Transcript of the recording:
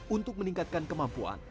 untuk meningkatkan kemampuan